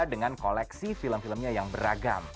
dengan koleksi film filmnya yang beragam